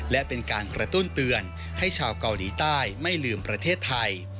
และเป็นการกระตุ้นเตือนให้ชาวเกาหลีใต้ไม่ลืมประเทศไทย